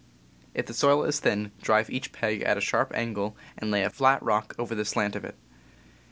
If the soil is thin, drive each peg at a sharp angle and lay a flat rock over the slant of it.